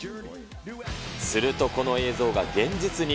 するとこの映像が現実に。